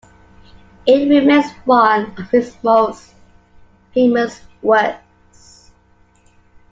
It remains one of his most famous works.